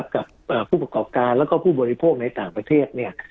กับผู้ประกอบการแล้วก็ผู้บริโภคในต่างประเทศเนี่ย